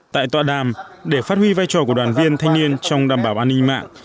tại tọa đàm để phát huy vai trò của đoàn viên thanh niên trong đảm bảo an ninh mạng